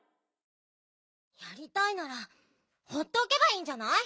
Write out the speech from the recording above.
やりたいならほうっておけばいいんじゃない？